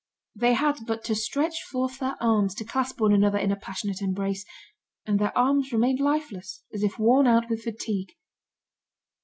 They had but to stretch forth their arms to clasp one another in a passionate embrace, and their arms remained lifeless, as if worn out with fatigue.